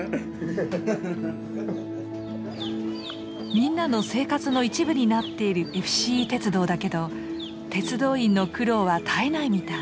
みんなの生活の一部になっているＦＣＥ鉄道だけど鉄道員の苦労は絶えないみたい。